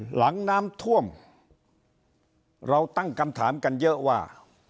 หลังน้ำท่วมเราตั้งคำถามกันเยอะว่า